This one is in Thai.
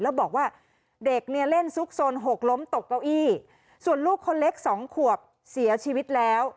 แล้วบอกว่าเด็กเนี่ยเล่นซุกซนหกล้มตกเก้าอี้ส่วนลูกคนเล็กสองขวบเสียชีวิตแล้ว